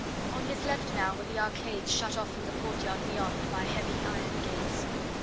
On his left now were the arcades shut off from the courtyard beyond by heavy iron gates.